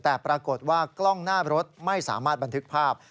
แต่ปรากฏว่ากล้องหน้ารถไม่สามารถบันทึกภาพ